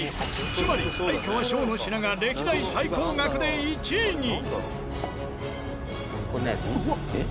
つまり哀川翔の品が歴代最高額で１位に！